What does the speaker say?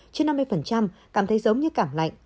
trên năm mươi cảm thấy giống như cảm lạnh